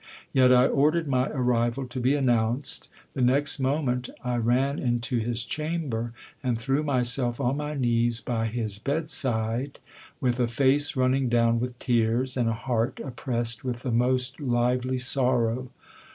Yet I ordered my arrival to be announced. The next moment I ran into his chamber, and threw myself on my knees by his bedside, with a face running down with tears and a heart oppressed with the most lively sorrow.